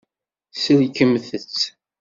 Sellkemt-tt.